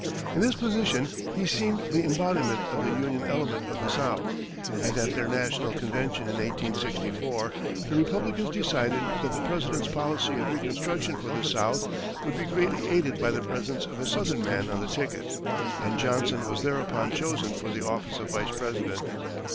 In this position, he seemed the embodiment of the Union element of the South, and at their national convention in 1864, the Republicans decided that the President's policy of reconstruction for the South would be greatly aided by the presence of a southern man on the ticket, and Johnson was thereupon chosen for the office of Vice President.